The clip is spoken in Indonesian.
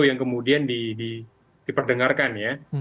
yang kemudian diperdengarkan ya